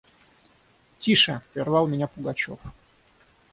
– Тише! – прервал меня Пугачев.